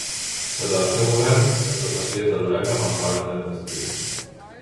Sota el seu govern, les profecies de l'oracle van caure en desprestigi.